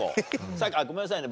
さっきごめんなさいね